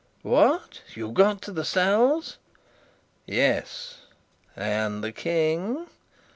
"What! You got to the cells?" "Yes." "And the King?"